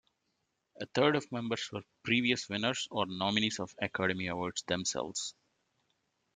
A third of members were previous winners or nominees of Academy Awards themselves.